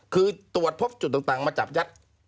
คือตรวจพบจุดต่างมาจับยัด